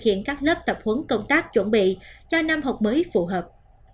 kiện các lớp tập huấn công tác chuẩn bị cho năm học mới phù hợp